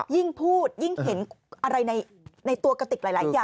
ยิ่งพูดยิ่งเห็นอะไรในตัวกระติกหลายอย่าง